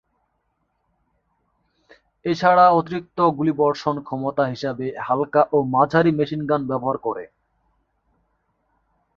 এছাড়া অতিরিক্ত গুলিবর্ষণ ক্ষমতা হিসাবে হালকা ও মাঝারি মেশিনগান ব্যবহার করে।